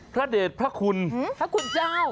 พระเดชพระคุณพระคุณเจ้า